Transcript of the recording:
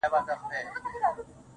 ويني ته مه څښه اوبه وڅښه_